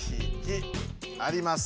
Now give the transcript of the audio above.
あります。